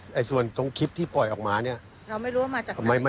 มันก็มีส่วนส่วนตรงคลิปที่ปล่อยออกมานี่